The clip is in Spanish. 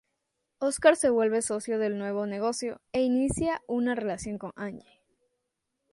Óscar se vuelve socio del nuevo negocio e inicia una relación con Angie.